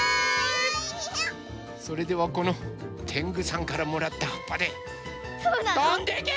それではこのてんぐさんからもらったはっぱでとんでけ！